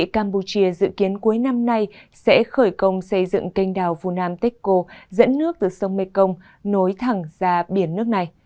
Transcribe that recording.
campuchia dự kiến cuối năm nay sẽ khởi công xây dựng cành đào phunam tecco dẫn nước từ sông mekong nối thẳng ra biển nước này